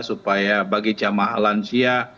supaya bagi jamah lansia